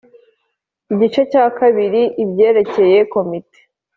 Igice cya kabiri ibyerekeye Komite